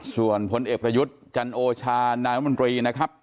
ส่วนผลเอกประยุทธ์จันโอชานายมนตรีนะครับ